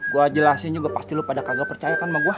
gua jelasin juga pasti lu pada kagak percaya sama gua